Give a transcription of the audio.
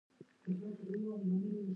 د نعناع غوړي د سر درد لپاره وکاروئ